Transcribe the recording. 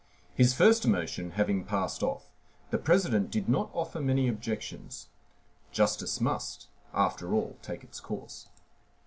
His first emotion having passed off, the President did not offer many objections. Justice must, after all, take its course.